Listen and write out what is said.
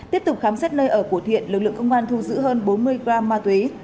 tiếp tục khám xét nơi ở của thiện lực lượng công an thu giữ hơn bốn mươi gram ma túy